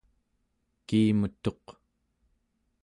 kiimetuq